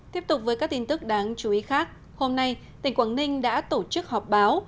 tiếp tục với các tin tức đáng chú ý khác hôm nay tỉnh quảng ninh đã tổ chức họp báo